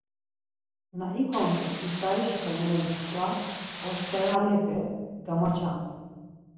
Na ikomt̆u pitsarişi xeneri mskva osteralepe gamaçamt̆u.